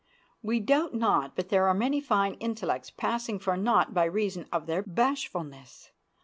We doubt not but there are many fine intellects passing for naught by reason of their bashfulness.